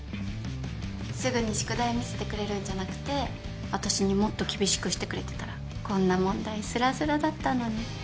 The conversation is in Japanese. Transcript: すぐに宿題を見せてくれるんじゃなくて私にもっと厳しくしてくれてたらこんな問題すらすらだったのに。